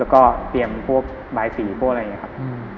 แล้วก็เตรียมพวกบายปีเพราะอะไรอย่างนั้นครับอืม